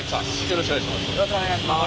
よろしくお願いします。